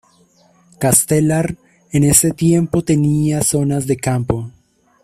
Castelar en ese tiempo tenía zonas de campo.